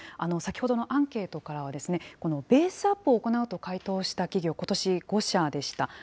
先ほどのアンケートからは、このベースアップを行うと回答した企業、ことし５社でした。